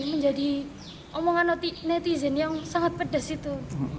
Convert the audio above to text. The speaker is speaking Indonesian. menjadi omongan netizen yang sangat pedes itu